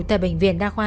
tại bệnh viện đa khoa